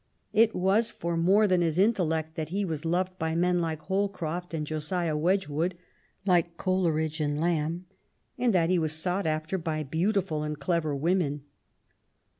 It was for more than his intellect that he was loved by men like Holcrof t and Josiah Wedgwood, like Coleridge and Lamb, and that he was sought after by beautiful and clever women.